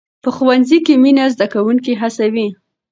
په ښوونځي کې مینه زده کوونکي هڅوي.